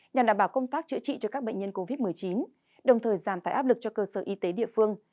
nhằm đảm bảo công tác chữa trị cho các bệnh nhân covid một mươi chín đồng thời giảm tải áp lực cho cơ sở y tế địa phương